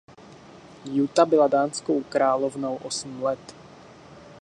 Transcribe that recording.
Juta byla dánskou královnou osm let.